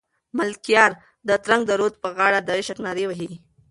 ملکیار د ترنګ رود په غاړه د عشق نارې وهي.